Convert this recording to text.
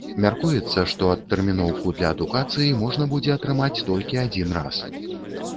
Мяркуецца, што адтэрміноўку для адукацыі можна будзе атрымаць толькі адзін раз.